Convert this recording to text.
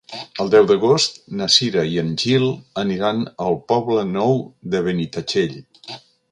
El deu d'agost na Cira i en Gil aniran al Poble Nou de Benitatxell.